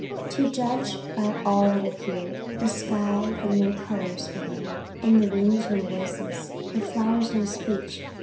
To judge by all that appeared, the sky had no colours for them, and the wind no voices, and the flowers no speech.